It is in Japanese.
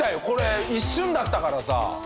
これ一瞬だったからさ。